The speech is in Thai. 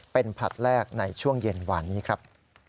เป็นผลัดแรกในช่วงเย็นวานนี้ครับ